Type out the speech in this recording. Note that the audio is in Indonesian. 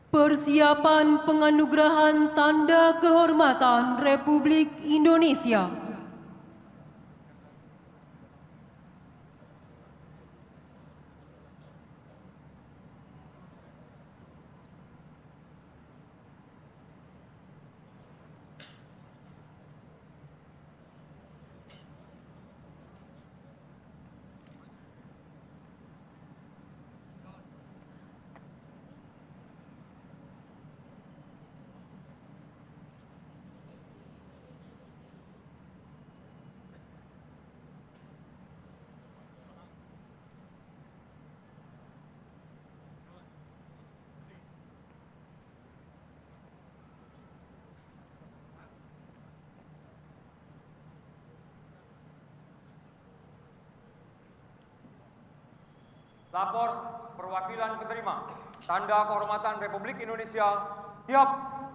perwakilan keterima tanda kehormatan republik indonesia tiap